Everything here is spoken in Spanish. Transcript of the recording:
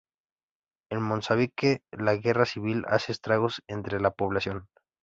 En Mozambique la guerra civil hace estragos entre la población.